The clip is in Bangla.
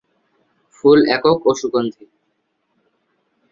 ফুল একক ও সুগন্ধি।